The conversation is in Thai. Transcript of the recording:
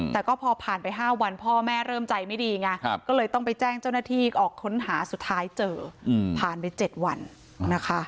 แต่ก็พอผ่านไป๕วันพ่อแม่เริ่มใจไม่ดีไงก็เลยต้องไปแจ้งเจ้าหน้าที่ออกค้นหาสุดท้ายเจอผ่านไป๗วันนะคะ